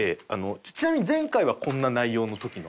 ちなみに前回はこんな内容の時の怒りでした。